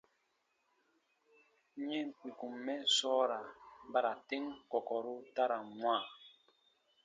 Yɛm kpikum mɛ sɔɔra bara ten kɔkɔru ta ra n wãa.